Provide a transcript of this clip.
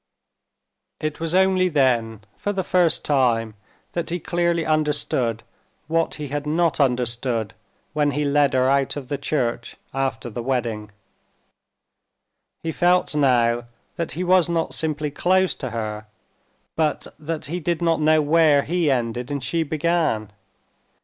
It was only then, for the first time, that he clearly understood what he had not understood when he led her out of the church after the wedding. He felt now that he was not simply close to her, but that he did not know where he ended and she began.